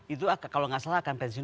itu kalau nggak salah akan pensiun